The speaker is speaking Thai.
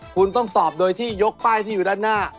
คุณต้องตอบโดยที่ยกป้ายที่อยู่ด้านหน้า